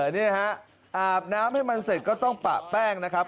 นี่ฮะอาบน้ำให้มันเสร็จก็ต้องปะแป้งนะครับ